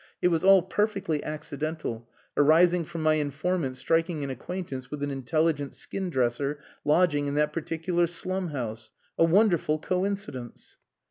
It was all perfectly accidental, arising from my informant striking an acquaintance with an intelligent skindresser lodging in that particular slum house. A wonderful coincidence!"